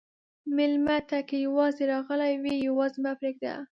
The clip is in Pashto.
مېلمه ته که یواځې راغلی وي، یواځې مه پرېږده.